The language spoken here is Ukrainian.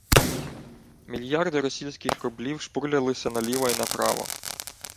Мільярди російських рублів шпурлялися наліво й направо